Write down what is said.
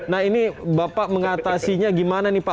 nah ini bapak mengatasinya gimana nih pak